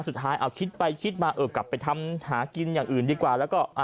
สุดท้ายเอาคิดไปคิดมาเออกลับไปทำหากินอย่างอื่นดีกว่าแล้วก็